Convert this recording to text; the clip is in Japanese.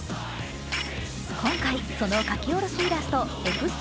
今回、その描き下ろしイラスト